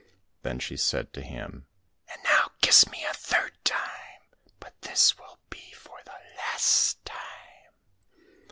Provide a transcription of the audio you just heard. — Then she said to him, " And now kiss me a third time, but this will be for the last time."